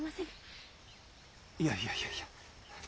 いやいやいやいや。